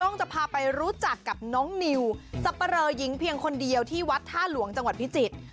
ต้องจะพาไปรู้จักกับน้องนิวสับปะเรอหญิงเพียงคนเดียวที่วัดท่าหลวงจังหวัดพิจิตร